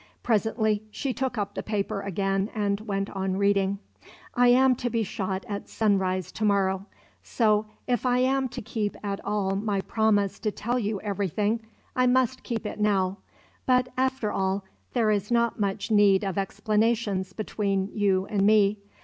Presently she took up the paper again and went on reading: "I am to be shot at sunrise to morrow. So if I am to keep at all my promise to tell you everything, I must keep it now. But, after all, there is not much need of explanations between you and me.